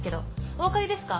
おわかりですか？